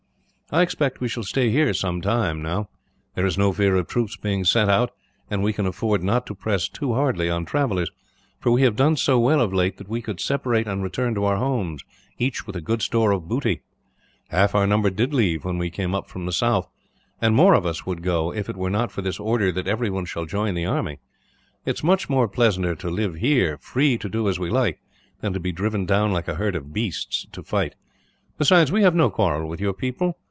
I expect we shall stay here some time, now. There is no fear of troops being sent out, and we can afford not to press too hardly on travellers; for we have done so well, of late, that we could separate and return to our homes, each with a good store of booty. Half our number did leave, when we came up from the south; and more of us would go, if it were not for this order that everyone shall join the army. It is much pleasanter to live here, free to do as we like, than to be driven down like a herd of beasts, to fight. Besides, we have no quarrel with your people.